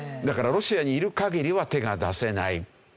だからロシアにいる限りは手が出せない。